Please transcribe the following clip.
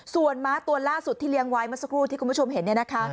ส่วนม้าตัวล่าสุดที่เลี้ยงไว้เมื่อสักครู่ที่คุณผู้ชมเห็นเนี่ยนะคะ